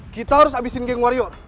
kita harus abisin geng wario